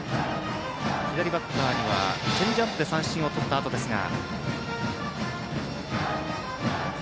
左バッターにはチェンジアップで三振をとったあとですが。